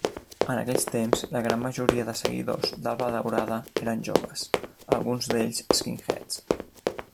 En aquells temps la gran majoria de seguidors d'Alba Daurada eren joves, alguns d'ells skinheads.